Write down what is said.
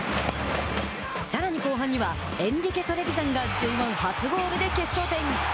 さらに後半にはエンリケ・トレヴィザンがＪ１初ゴールで決勝点。